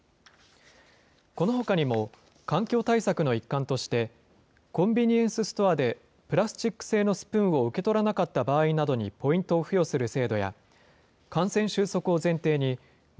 このほかにも、環境対策の一環として、コンビニエンスストアでプラスチック製のスプーンを受け取らなかった場合などにポイントを付与する制度や、感染収束を前提に、ワ